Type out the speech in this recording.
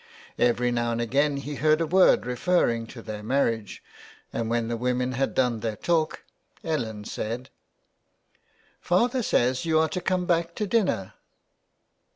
Every now and again he heard a word referring to their marriage, and when the women had done their talk, Ellen said :— 324 THE WILD GOOSE. " Father says you are to come back to dinner."